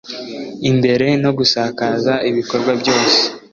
Imbere no gusakaza ibikorwa byose